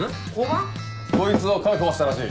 こいつを確保したらしい。